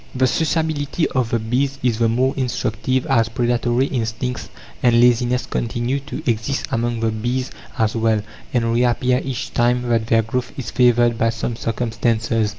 The sociability of the bees is the more instructive as predatory instincts and laziness continue to exist among the bees as well, and reappear each time that their growth is favoured by some circumstances.